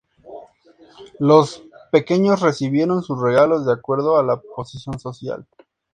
Los pequeños recibieron sus regalos de acuerdo a la posición social.